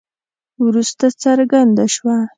وروسته څرګنده شوه.